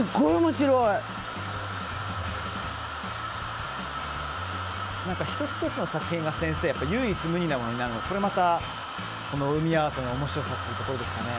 先生、１つ１つの作品が唯一無二なものになるのがこれまた、海アートの面白さというところですかね。